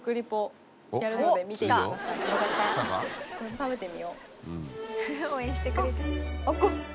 食べてみよう。